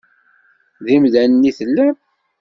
D imdanen i tellam?